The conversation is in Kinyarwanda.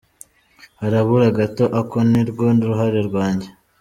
Harabura gato, ako nirwo ruhare rwanjye.”